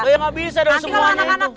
saya gak bisa dengan semuanya itu